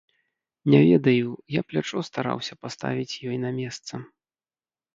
Не ведаю, я плячо стараўся паставіць ёй на месца.